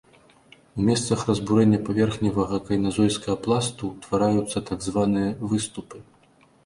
У месцах разбурэння паверхневага кайназойскага пласту ўтвараюцца так званыя выступы.